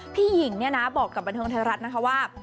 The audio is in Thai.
พี่หญิงเนี่ยนะบอกกับบันเทิงไทยรัฐนะคะว่า